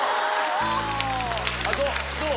どう？